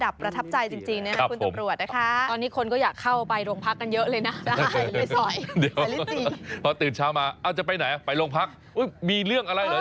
บริการทุกระดับประทับใจจริงนะครับคุณตอบรวดนะคะ